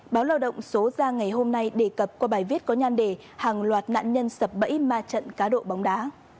báo lao động số ra ngày hôm nay đề cập qua bài viết có nhan đề hàng loạt nạn nhân sập bẫy ma trận cá độ bóng đá